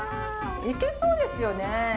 いけそうですよね！